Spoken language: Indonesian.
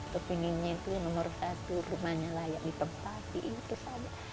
saya ingin itu nomor satu rumahnya layak di tempat itu saja